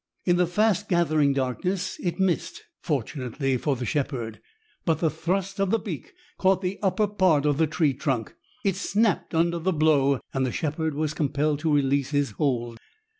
In the fast gathering darkness it missed, fortunately for the shepherd, but the thrust of the beak caught the upper part of the tree trunk. It snapped under the blow, and the shepherd was compelled to release his hold.